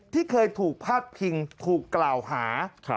ที่เคยถูกพาดพิงถูกกล่าวหา